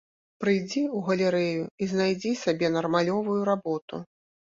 Прыйдзі ў галерэю і знайдзі сабе нармалёвую работу!